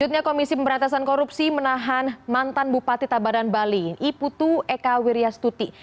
selanjutnya komisi pemberantasan korupsi menahan mantan bupati tabanan bali iputu eka wiryastuti